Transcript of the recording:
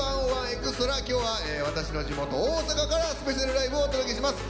今日は私の地元大阪からスペシャルライブをお届けします。